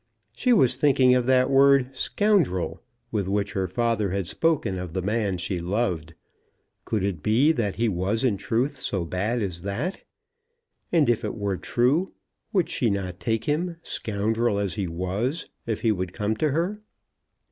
She was thinking of that word scoundrel, with which her father had spoken of the man she loved. Could it be that he was in truth so bad as that? And, if it were true, would she not take him, scoundrel as he was, if he would come to her?